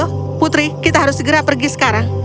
oh putri kita harus segera pergi sekarang